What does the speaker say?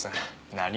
何？